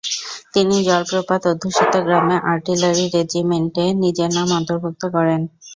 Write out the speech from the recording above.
তিনি জলপ্রপাত অধ্যুষিত গ্রামে আর্টিলারি রেজিমেন্টে নিজের নাম অন্তর্ভুক্ত করেন।